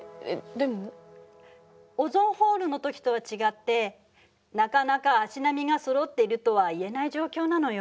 オゾンホールの時とは違ってなかなか足並みがそろっているとは言えない状況なのよ。